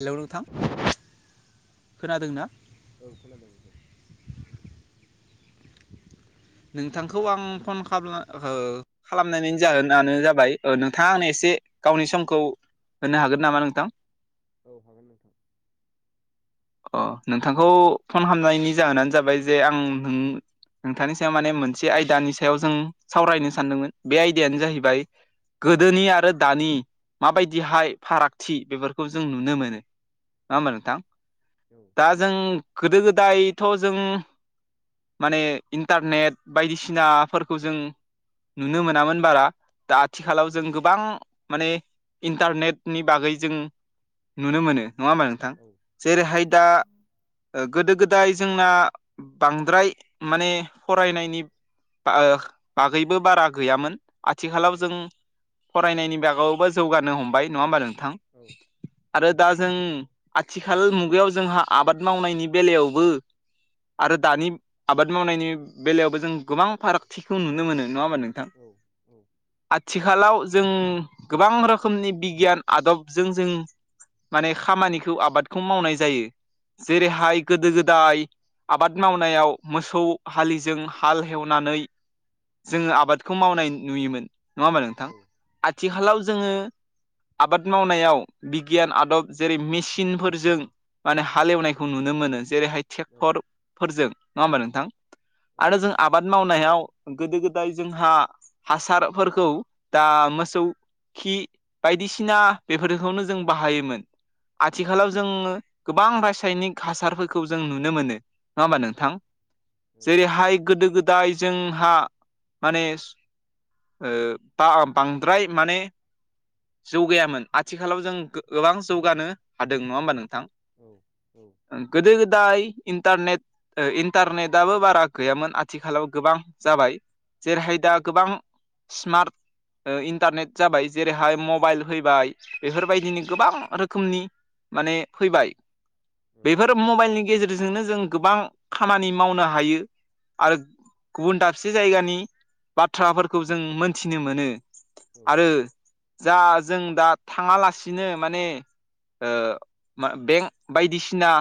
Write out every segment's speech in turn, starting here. Hello नोंथां। औ खोनादोंना औ खोनादों नोंथां। नोंथांखौ आं फन खालाम हो खालामनायनि जाहोनानो जाबाय नोंथाङा आंनो एसे गावनि समखौ होनो हागोन नामा नोंथां। औ हागोन नोंथां। अ नोंथांखौ फन खालामामनायनि जाहोनानो जाबाय जे आं नों नोंथांनि सायाव माने मोनसे आयदानि सायाव जों सावरायनो सानदोंमोन बे आयदायानो औ जाहैबाय। गोदोनि आरो दानि माबायदिहाय फारागथि बेफोरखौ जों नुनो मोनो। औ होमबा नोंथां औ। दा जों गोदो गोदायथ' जों माने इन्टारनेट बायदिसिनाफोरखौ जों नुनो मोनामोन बारा दा आथिखालाव औ जों गोबां माने इन्टारनेटनि बागै जों नुनो मोनो नङा होमबा नोंथां? औ औ जेरैहाय दा गोदो गोदाय जोंना बांद्राय माने फरायनायनि बागैबो बारा गैयामोन। आथिखालाव औ जों फरायनायनि बागावबो जौगानो हमबाय नङा होमबा नोंथां। औ। आरो दा जों आथिखाल मुगायाव जोंहा आबाद मावनायनि बेलायावबो आरो दानि आबाद मावनायनि बेलायावबो जों गोबां फारागथिखौ नुनो मोनो नङा होनबा नोंथां। औ औ औ आथिखालाव जों गोबां रोखोमनि बिगियान आदबजों जों माने खामानिखौ आबादखौ मावनाय जायो जेरैहाय। गोदो गोदाय आबाद मावनायाव मोसौ हलिजों हाल एवनानै जोङो आबादखौ मावनाय नुयोमोन नङा होमबा नोंथां आथिखालाव जोङो आबाद मावनायाव बिगियान आदब जेरै मिस सिन फोरजों माने हालेवनायखौ नुनो मोनो जेरैहाय ट्रेक्टर। फोरजों नङा होमबा नोंथां आरो जों आबाद। मावनायाव गोदो गोदाय जोंहा हासारफोरखौ दा मोसौ। खि बायदिसिना बेफोरखौनो जों बाहायोमोन आथिखालाव जोङो गोबां रासायनिक हासारफोरखौ जों नुनो मोनो। नङा होमबा नोंथां जेरैहाय गोदो गोदाय जोंहा माने बा बांद्राय माने। जौगायामोन आथिखालाव जों गोबां जौगानो हादों नङा होनबा नोंथां औ औ। गोदो गोदाय इन्टारनेट इन्टारनेटआबो बारा गैयामोन आथिखालाव गोबां जाबाय जेरैहाय दा गोबां स्मार्ट इन्टारनेट जाबाय जेरैहाय मबाइल फैबाय बेफोरबायदिनो गोबां रोखोमनि माने फैबाय बेफोर मबाइलनि गेजेरजोंनो जों गोबां खामानि मावनो हायो आरो गुबुन दाबसे जायगानि बाथ्राफोखौ जों मोनथिनो मोनो आरो जा जों दा थाङालासिनो माने बेंक बायदिसिना।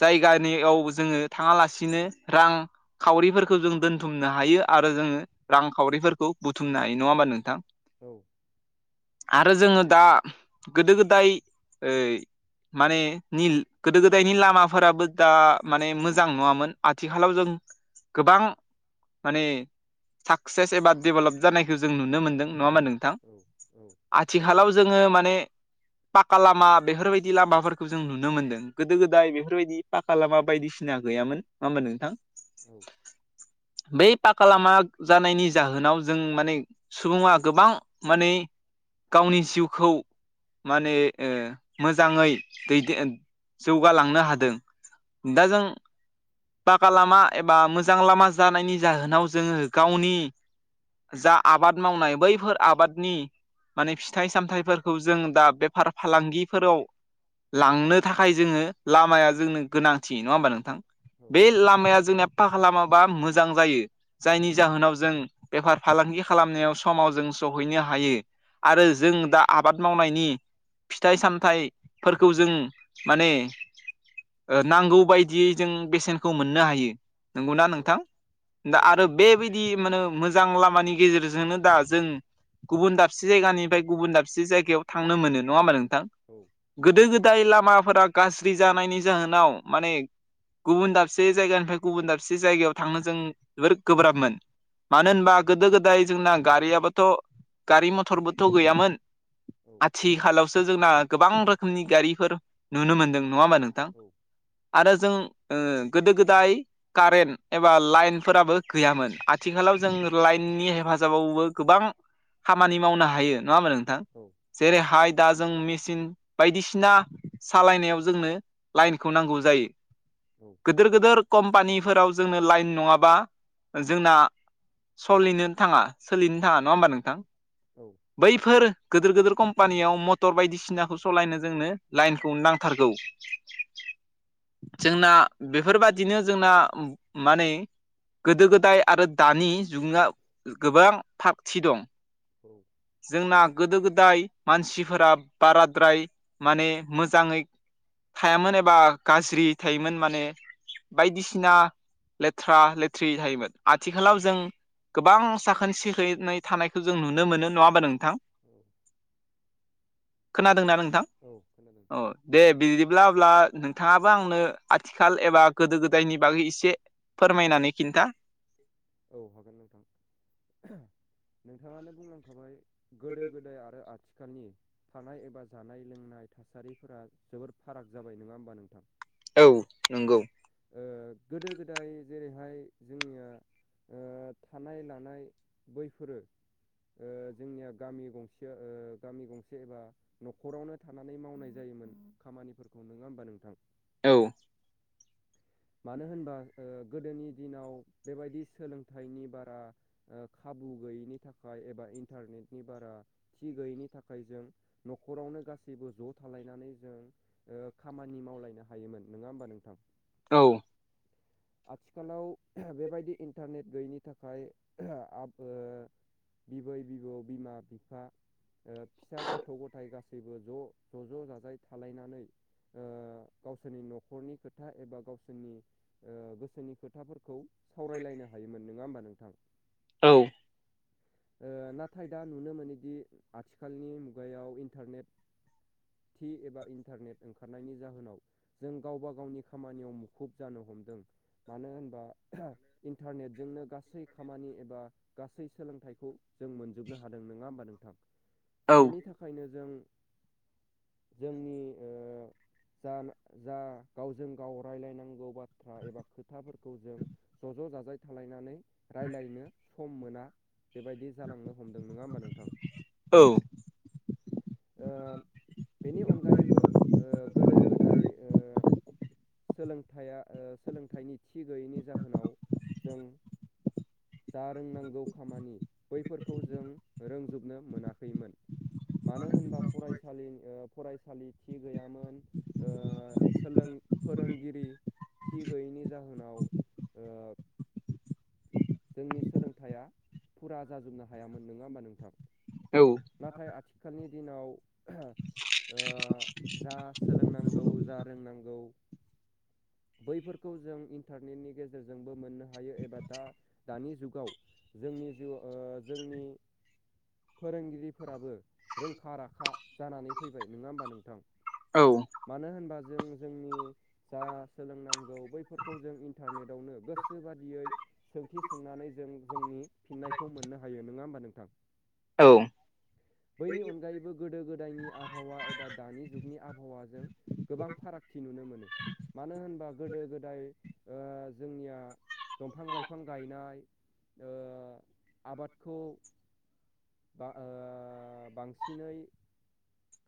जायगानियाव जोङो थाङालासिनो रां खावरिफोरखौ जों दोनथुमनो हायो आरो जोङो। रांखावरिफोरखौ बुथुमनो हायो नङा होमबा नोंथां? औ आरो जोङो दा गोदो गोदाय ओ माने नि गोदो गोदायनि लाम माफोराबो दा माने मोजां नङामोन आथिखालाव जों गोबां माने साकसेस एबा डेभेलप जानायखौ जों नुनो मोन्दों नङा होमबा नोंथां? औ औ आथिखालाव जोङो माने पाका लामा बेफोरबायदि लामाफोरखौ जों नुनो मोन्दों गोदो गोदाय बेफोर बेफोरबायदि पाखा लामा बायदिसिना गैयामोन नङा होमबा नोंथां? बै पाका लामा जानायनि जाहोनाव जों माने सुबुङा गोबां माने गावनि जिउखौ माने मोजाङै दैदेन जौगालांनो हा दों दा जों पाका लामा एबा मोजां लामा जानायनि जाहोनाव जोङो गावनि जा आबाद मावनाय बैफोर आबादनि माने फिथाइ सामथाइफोरखौ जों दा बेफार फालांगिफोराव लांनो थाखाय जोङो लामाया जोंनो गोनांथि नङा होमबा नोंथां? बे लामाया जोंनि फाा खालामाबा मोजां जायो ‌ जायनि जाहोनाव जों बेफार फालांगि खालामनायाव समाव जों सहैनो हायो। आरो जों दा आबाद मावनायनि फिथाइ सामथाइफोरखौ जों माने नांगौ बायदियै जों बेसेनखौ मोननो हायो नंगौना नोंथां दा आऱ बेबायदि माने मोजां लामानि गेजेरजोंनो दा जों गुबुन दाबसे जायगानिफ्राय गुबुन दाबसे जायगायाव थांनो मोनो नङा होनबा नोंथां? औ गोदो गोदाय लामाफोरा गाज्रि जानायनि जाहोनाव माने गुबुन दाबसे जायगानिफ्राय गुबुन दाबसे जायगायाव थांनो जों जोबोर गोब्राबमोन। मानो होनबा गोदो गोदाय जोंना गारियाबोथ' गारि मथरबोथ' गैयामोन। औ आथिखालावसो जोंना गोबां रोखोमनि गारिफोर नुनो मोनदों नङा होमबा नोंथां? आरो जों गोदो गोदाय कारेन्ट एबा लाइनफोराबो गैयामोन आथिखालाव जों लाइननि हेफाजाबावबो गोबां खामानि मावनो हायो नङा होमा नोंथां जेरैहाय दा जों मेचिन बायदिसिना सालायनायाव जोंनो लाइनखौ नांगौ जायो। औ गिदिर गिदिर कम्पानिफोराव जोंनो लाइन नङाबा जोंना सोलिनो थाङा सोलिनो थाङा नङा होमबा नोंथां? औ बैफोर गिदिर गिदिर कम्पानियाव मटर बायदिसिनाखौ सालायनो जोंनो लाइनखौ नांथारगौ। जोंना बेफोरबादिनो जोंना माने गोदो गोदाय आरो दानि जुगा गोबां थागथि दं। औ जोंना गोदो गोदाय मानसिफोरा बाराद्राय माने मोजाङै थायामोन एबा गाज्रि थायोमोन माने बायदिसिना लेथ्रा लेथ्रि थायोमोन आथिखालाव जों गोबां साखोन सिखोनै थानायखौ जों नुनो मोनो नङा होमबा नोंथां? औ खोनादोंना नोंथां औ खोनादों औ दे बि अब्ला अब्ला नोंथाङाबो आंनो आथिखाल एबा गोदो गोदायनि बागै एसे फोरमायनानै खिन्था औ हागोन नोंथां नोंथाङानो बुंलांखाबाय गोदो गोदाय आरो आथिखालनि थानाय एबा जानाय लोंनाय थासारिफोरा जोबोर फाराग जाबाय नङा होमबा नोंथां। औ नंगौ। गोदो गोदाय जेरैहाय जोंनिया ओ थानाय लानाय बैफोरो जोंनिया गामि गंसेया गामि गंसे एबा न'खरावनो थानानै मावनाय जायोमोन खामानिफोरखौ नङा होमबा नोंथां औ। मानो होनबा गोदोनि दिनाव बेबायदि सोलोंथाइनि बारा खाबु गैयैनि थाखाय एबा इन्टारनेटनि बारा थि गैयैनि थाखाय जों न'खरावनो गासैबो ज' थालायनानै जों खामानि मावलायनो हायोमोन नङा होमबा नोंथां। औ आथिखालाव बेबायदि इन्टारनेट गैयैनि थाखाय बिबै- बिबौ, बिमा- बिफा फिसा गथ' गथाय गासैबो ज' ज' ज' जाजाय थालायनानै गावसोरनि न'खरनि खोथा एबा गावसोर गोसोनि खोथाफोरखौ सावरायलायनो हायोमोन ननोङा होमबा नोंथां। औ नाथाय दा नुनो मोनोदि आथिखालनि मुगायाव इन्टारनेट टि एबा इन्टारनेट ओंखारनायनि जाहोनाव जों गावबा गावनि खामानियाव मु खुब जानो हमदों मानो होनबा इन्टारनेटजोंनो गासै गासै खामानि एबा गासै सोलोंथाइखौ जों मोनजोबनो हादों नङा होमबा नोंथां। औ बेनि थाखायनो जों जोंनि ओ जा गावजों गाव रायज्लाय नांगौ बाथ्रा एबा खोथाफोरखौ जों ज' ज' जाजाय थालायनानै राय्लायनो सम मोना बेबायदि जालांनो हमदों नङा होमबा नोंथां। औ [inaudible] बेनि अनगायैबो ओ गोदो गोदाय सोलोंथाइया ओ सोलोंथाइनि थि गैयैनि जाहोनाव जों जा रोंनांगौ खामानि बैफोरखौ जों रोंजोबनो मोनाखैमोन। मानो होनबा फरायसालि फरायसालि थि गैयामोन। ओ सोलों फोरोंगिरि थि गैयैनि जाहोनाव जोंनि सोलोंथाइया फुरा जाजोबनो हायामोन नोङा होमबा नोंथां। औ नाथाय आथिखालनि दिनाव जा सोलोंनांगौ जा रोंनांगौ बैफोरखौ जों इन्टारनेटनि गेजेरजोंबो मोननो हायो एबा दा दानि जुगाव जोंनि जिउ जोंनि फोरोंगिरिफोराबो रोंखा राखा जानानै फैबाय नोङा होमबा नोंथां। औ मानो होनबा जों जोंनि जा सोलोंनांगौ बैफोरखौ जों इन्टारनेटआवनो गोसो बादियै सोंथि सोंनानै जों जोंनि फिननायखौ मोननो हायो नङा होमबा नोंथां औ। बैनि अनगायैबो गोदो गोदायनि आबहावा एबा दानि जुगनि आबहावाजों गोबां फारागथि नुनो मोनो। मानो होनबा गोदो गोदाय ओ जोंनिया दंफां लाइफां गायनाय ओ आबादखौ बा ओ बांसिनै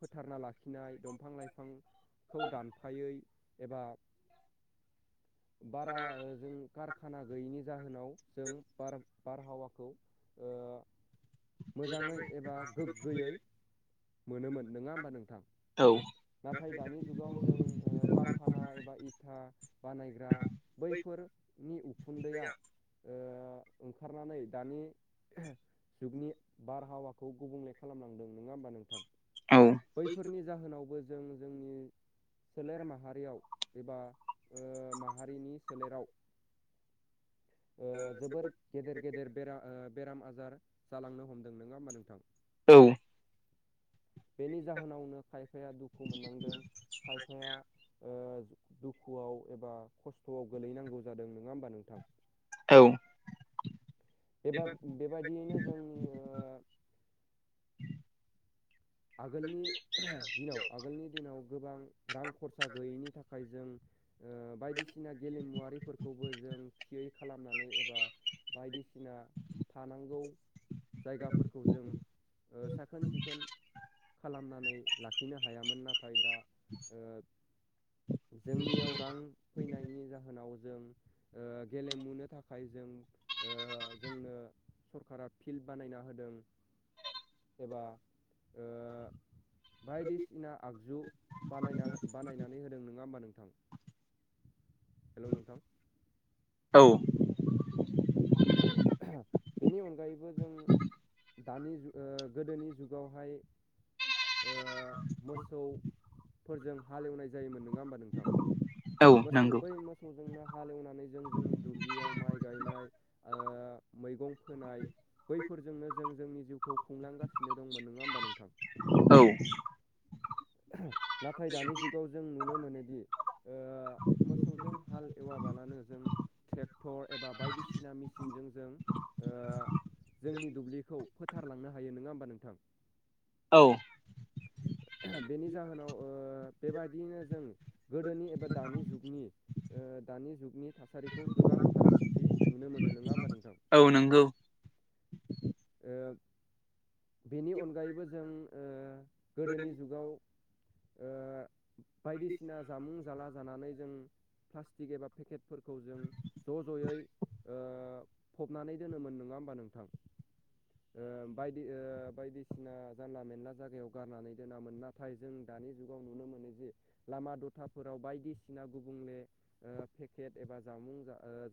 फोथारना लाखिनाय दंफां लाइफांखौ दानफायै एबा बारा जों कारखाना गैयैनि जाहोनाव जों बार-बार बारहावाखौ ओ मोजाङै एबा गोग्गोयै मोनोमोन नङा होमबा नोंथां। औ नाथाय दानि जुगाव जों ओ कारखाना एबा इथा बानायग्रा बैफोरनि उखुन्दैया ओ ओंखारनानै दानि जुगनि बारहावाखौ गुबुंले खालामलांदों नङा होमबा नोंथां। औ बैफोरनि जाहोनावबो जों जोंनि सोलेर माहारियाव एबा ओ माहारिनि सोलेराव ओ जोबोर गेदेर गेदेर बेरा ओ बेराम आजार जालांनो हमदों नङा होमबा नोंथां। बेनि जाहोनावनो खायफाया दुखु मोननांदों खायफाया ओ दुखुआव एबा खस्थ'आव गोलैनांगौ जादों नोङा होमबा नोंथां। औ एबा बेबादियैनो जोंनि ओ आगोलनि दिनाव आगोलनि दिनाव गोबां रां खरसा गैयैनि थाखाय जों ओ बायदिसिना गेलेमुवारिफोरखौबो जों थियै खालामनानै एबा बायदिसिना थानांगौ जायगाफोरखौ जों ओ साखोन-सिखोन खालामनानै लाखिनो हायामोन नाथाय दा ओ जोंनियाव रां फैनायनि जाहोनाव जों ओ गेलेमुनो थाखाय जों ओ जोंनो सरकारा फिल्ड बानायना होदों। एबा ओ बायदिसिना आगजु बानायना बानायनानै होदों नङा होमबा नोंथां। हेलौ नोंथां। औ औ बेनि अनगायैबो जों दानि ओ जुग गोदोनि जुगावहाय ओ मोसौफोरजों हाल एवनाय जायोमोन नङा होमबा नोंथां। औ मोसौ नंगौ बै मोसौजोंनो हाल एवनानै जों जोंनि दुब्लियाव माइ गायनाय ओ मैगं फोनाय बैफोरजोंनो जों जोंनि जिउखौ खुंलांगासिनो दंमोन नोङा होमबा नोंथां। औ नाथाय दानि जुगाव जों नुनो मोनोदि ओ मोसौजों हाल एवाबालानो जों ट्रेक्टर एबा बायदिसिना मेसिनजों जों ओ जोंनि दुब्लिखौ फोथारलांनो हायो नोङा होमबा नोंथां। औ बेनि जाहोनाव ओ बेबादियैनो जों गोदोनि एबा दानि जुगनि ओ दानि जुगनि थासारिखौ गोबां फारागथि नुनो मोनो नोङा होमबा नोंथां। औ नंगौ। ओ बेनि अनगायैबो जों ओ गोदोनि जुगाव ओ बायदिसिना जामुं जाला जानानै जों प्लास्टिक एबा पेकेटफोरखौ जों ज' ज'यै फबनानै दोनोमोन नङा होमबा नोंथां। बायदि बायदिसिना जानला मेनला जागायाव गारनानै दोनामोन नाथाय जों दानि जुगाव नुनो मोनो जे लामा दथाफोराव बायदिसिना गुबुंले पेकेट एबा जामुं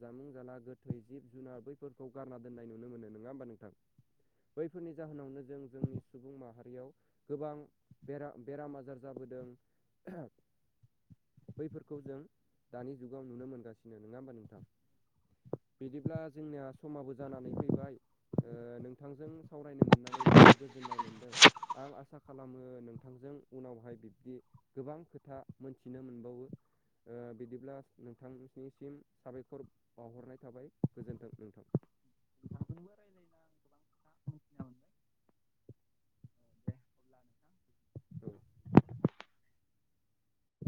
जामुं जाला गोथै जिब जुनार बैफोर खौ गारना दोननाय नुनो मोनो नङा होमबा नोंथां। बैफोरनि जाहोनावनो जों जोंनि सुबुं माहारियाव गोबां बेराम बेराम आजार जाबोदों बैफोरखौ जों दानि जुगाव नुनो मोनगासिनो नङा होमबा नोंथां। बिदिब्ला जोंनिया समाबो जानानै फैबाय। नोंथांजों सावरायनो मोननानै जोबोर गोजोननाय मोनदों आं आसा खालामो आसा खालामो नोंथांजों उनावहाय बिब्दि गोबां खोथा मोनथिनो मोनबावो। बिदिब्ला नोंथांनिसिम साबायखर बावहरनाय थाबाय गोजोन्थों नोंथां। गोबां खोथा मोनथिना मोनबाय दे अब्ला नोंथां औ।